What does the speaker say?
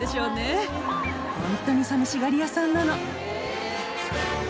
ホントにさみしがり屋さんなの。